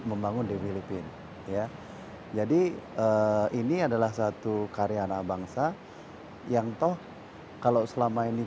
membangun di filipina ya jadi ini adalah satu karya anak bangsa yang toh kalau selama ini